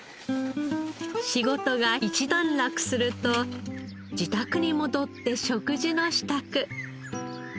仕事が一段落すると自宅に戻って食事の支度。